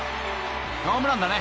［ホームランだね］